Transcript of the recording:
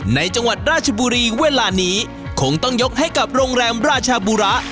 จังหวัดราชบุรีเวลานี้คงต้องยกให้กับโรงแรมราชาบุระ